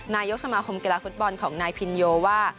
นายกสมาคมกีฬาฟุตบอลของนายพินโยว่า